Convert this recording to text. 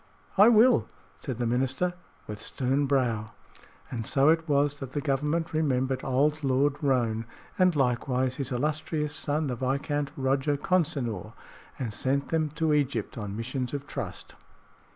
"I will," said the minister, with stern brow. And so it was that the Government remembered old Lord Roane, and likewise his illustrious son, the Viscount Roger Consinor, and sent them to Egypt on missions of trust.